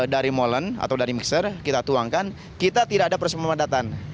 dari moland atau dari mixer kita tuangkan kita tidak ada proses pemadatan